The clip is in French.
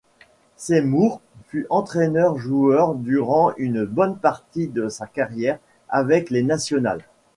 Seymour fut entraîneur-joueur durant une bonne partie de sa carrière avec les Nationals.